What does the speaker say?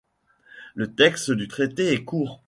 Le texte du traité est court.